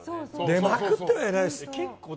出まくってはないですよ。